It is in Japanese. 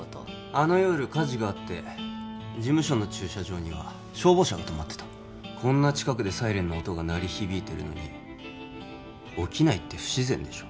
あの夜火事があって事務所の駐車場には消防車が止まってたこんな近くでサイレンの音が鳴り響いてるのに起きないって不自然でしょ